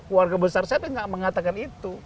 keluarga besar saya tapi nggak mengatakan itu